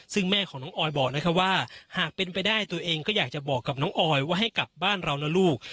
ซึ่งแม่ของน้องออยบอกนะครับว่าหากเป็นไปได้ตัวเองก็อยากจะบอกกับน้องออยว่าให้กลับบ้านเรานะลูก